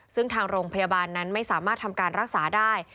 ซึ่งทางโรงพยาบาลนั้นไม่สามารถทำการรักษาได้